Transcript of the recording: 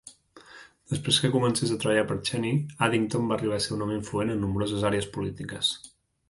Després que comencés a treballar per Cheney, Addington va arribar a ser un home influent en nombroses àrees polítiques.